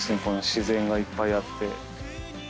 自然がいっぱいあって。